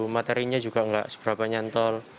materinya juga nggak seberapa nyantol